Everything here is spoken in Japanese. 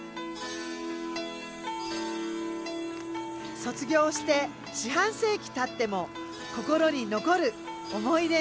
卒業して四半世紀たっても心に残る思い出の橋。